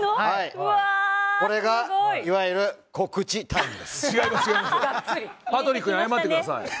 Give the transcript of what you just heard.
これがいわゆる告知タイムです。